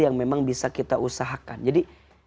yang memang bisa kita usahakan jadi